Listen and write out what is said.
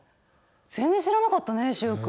全然知らなかったね習君。